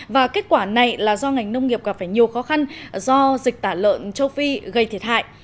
và kết quả này là do ngành nông nghiệp gặp phải nhiều khó khăn do dịch tả lợn châu phi gây thiệt hại